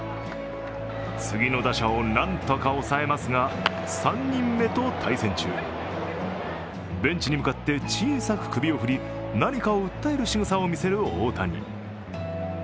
次の打者を何とか抑えますが、３人目と対戦中ベンチに向かって小さく首を振り何かを訴えるしぐさを見せる大谷。